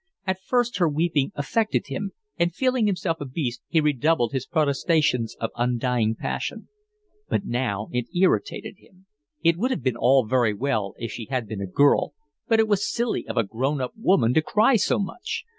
At first her weeping affected him, and feeling himself a beast he redoubled his protestations of undying passion; but now it irritated him: it would have been all very well if she had been a girl, but it was silly of a grown up woman to cry so much.